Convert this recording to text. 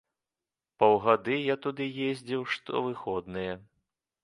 Паўгады я туды ездзіў штовыходныя.